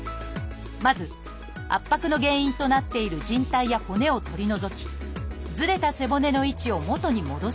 まず圧迫の原因となっているじん帯や骨を取り除きずれた背骨の位置を元に戻します。